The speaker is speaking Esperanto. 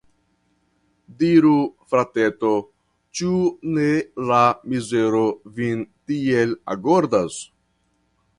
Diru, frateto, ĉu ne la mizero vin tiel agordas?